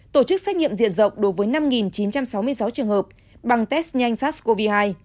tổ chức xét nghiệm diện rộng đối với năm chín trăm sáu mươi sáu trường hợp bằng test nhanh sars cov hai